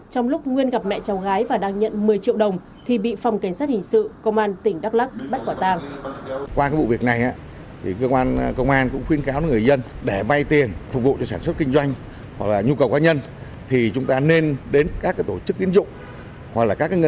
trong lúc nguyên gặp mẹ cháu gái và thỏa thuận trả nợ thay con nguyên yêu cầu mỗi tháng phải trả một mươi triệu đồng